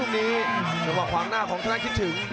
ในขวางหน้าของคนนั้นคิดถึง